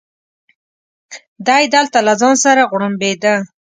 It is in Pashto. دی دلته له ځان سره غوړمبېده.